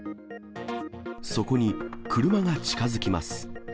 そこに車が近づきます。